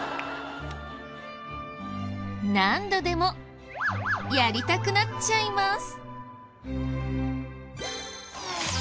何度でもやりたくなっちゃいます！